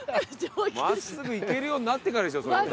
真っすぐ行けるようになってからでしょ。